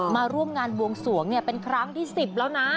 มาร่วมงานบวงสวงเป็นครั้งที่๑๐แล้วนะ